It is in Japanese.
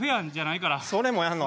それもやんの。